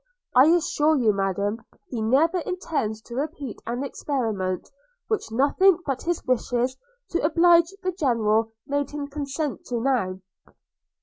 I assure you, Madam, he never intends to repeat an experiment, which nothing but his wishes to oblige the General made him consent to now.'